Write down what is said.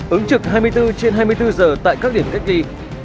ứng trực hai mươi bốn trên hai mươi bốn giờ tại các điểm cách ly